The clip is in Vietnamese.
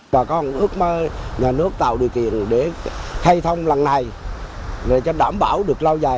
bà con ước mơ